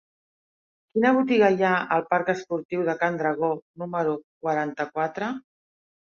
Quina botiga hi ha al parc Esportiu de Can Dragó número quaranta-quatre?